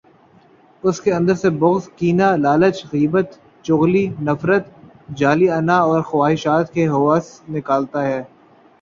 اس کے اندر سے بغض، کینہ، لالچ، غیبت، چغلی، نفرت، جعلی انااور خواہشات کی ہوس نکالتا ہے۔